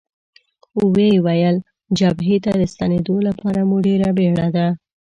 ویې ویل: جبهې ته د ستنېدو لپاره مو ډېره بېړه ده.